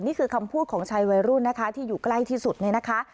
นี่คือคำพูดของชายวัยรุ่นนะคะที่อยู่ใกล้ที่สุดเนี่ยนะคะ